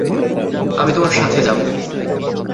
আমি তোমার সাথে যাবো।